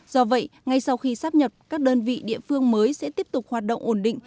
do vậy ngay sau khi sắp nhập các đơn vị địa phương mới sẽ tiếp tục hoạt động ổn định